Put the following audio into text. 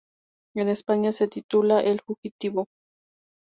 En España se titula "El fugitivo".